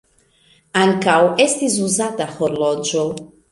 Ankaŭ estis uzata horloĝo.